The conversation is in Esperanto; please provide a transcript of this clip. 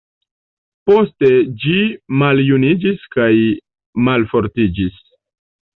Poste ĝi maljuniĝis kaj malfortiĝis.